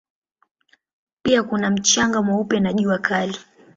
Pia kuna mchanga mweupe na jua kali.